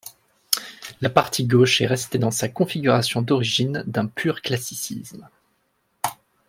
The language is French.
La partie gauche est restée dans sa configuration d'origine d'un pur classicisme.